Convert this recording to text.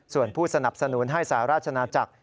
ส่วนผู้สนับสนุนให้สหราชนาจักร